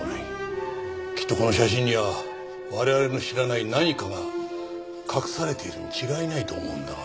きっとこの写真には我々の知らない何かが隠されているに違いないと思うんだが。